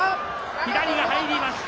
左が入りました。